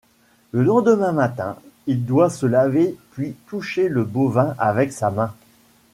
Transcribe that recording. Le lendemain matin, il doit se laver puis toucher le bovin avec sa main.